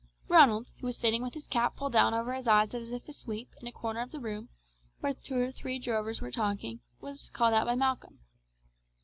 Ronald, who was sitting with his cap pulled down over his eyes as if asleep, in a corner of the room, where three or four drovers were smoking and talking, was called out by Malcolm.